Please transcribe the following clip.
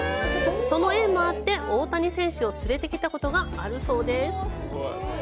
その縁もあって、大谷選手を連れてきたことがあるそうです。